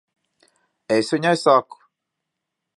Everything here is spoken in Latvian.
Es viņa saku.